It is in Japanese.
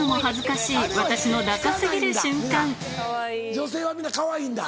女性は皆かわいいんだ。